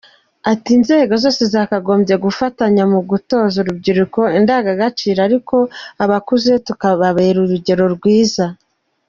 Ati “Inzego zose zakagombye gufatanya mu gutoza urubyiruko indangagaciro ariko abakuze tukarubera urugero rwiza.